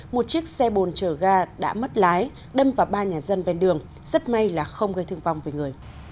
một chiếc xe bồn chở ga đã mất lái đâm vào ba nhà dân ven đường rất may là không gây thương vong về người